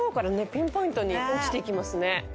ピンポイントに落ちていきますね